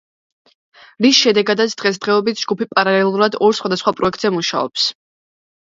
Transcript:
რის შედეგადაც დღესდღეობით ჯგუფი პარალელურად ორ სხვადასხვა პროექტზე მუშაობს.